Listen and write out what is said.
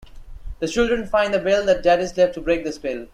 The children find the bell that Jadis left to break the spell.